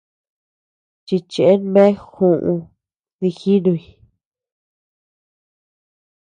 Chichen bea juú dijinuy.